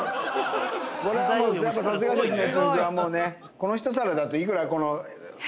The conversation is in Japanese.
この一皿だと幾ら？